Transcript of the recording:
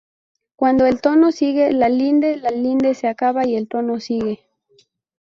Cuando el tonto sigue la linde, la linde se acaba y el tonto sigue